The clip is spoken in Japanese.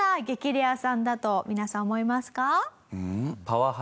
レアさんだと皆さん思いますか？